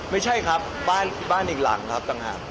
ไม่ใช่ครับบ้านอีกหลังครับ